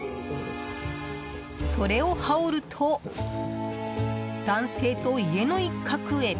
それを羽織ると男性と家の一角へ。